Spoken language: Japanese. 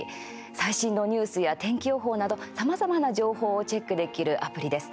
最新のニュースや天気予報などさまざまな情報をチェックできるアプリです。